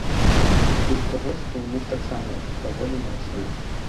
Птушкаводства ў нас таксама даволі моцнае.